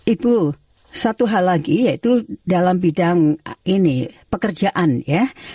ibu satu hal lagi yaitu dalam bidang ini pekerjaan ya